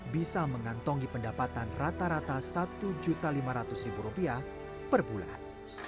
bisa mengantongi pendapatan rata rata rp satu lima ratus per bulan